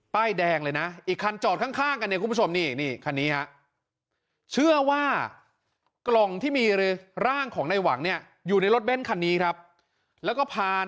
เป้ายแดงเลยนะอีกอั้นจอดข้างกันคุณผู้ชมนี่อีกนี่คันนี้ฮะเชื่อว่ากล่องที่มีหรือร่างของในหวังเนี่ยอยู่ในรถเบนต์คันนี้ครับแล้วก็พาในหวังเนี่ย